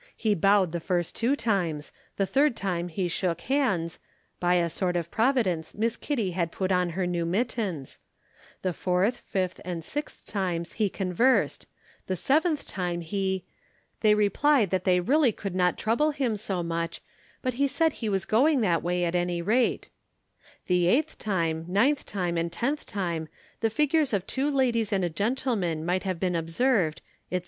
He bowed the first two times, the third time he shook hands (by a sort of providence Miss Kitty had put on her new mittens), the fourth, fifth, and sixth times he conversed, the seventh time he they replied that they really could not trouble him so much, but he said he was going that way at any rate; the eighth time, ninth time, and tenth time the figures of two ladies and a gentleman might have been observed, etc.